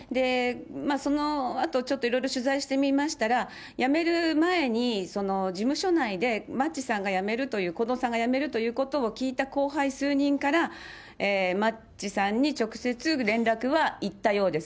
そのあと、ちょっといろいろ取材してみましたら、辞める前に、事務所内で、マッチさんが辞めるという、近藤さんが辞めるということを聞いた後輩数人から、マッチさんに直接、連絡はいったようです。